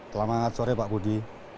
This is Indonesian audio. selamat sore pak budi